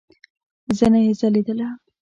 زنه يې ځليدله.